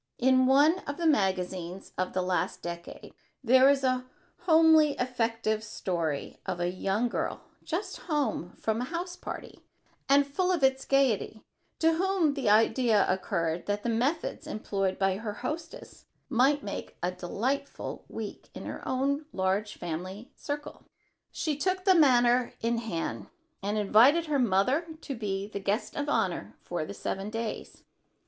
In one of the magazines of the last decade there is a homely effective story of a young girl, just home from a house party and full of its gaiety, to whom the idea occurred that the methods employed by her hostess might make a delightful week in her own large family circle. She took the matter in hand, and invited her mother to be the guest of honor for the seven days.